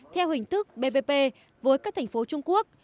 theo hình thức bpp với các thành phố trung quốc